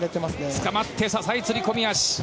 つかまって支え釣り込み足。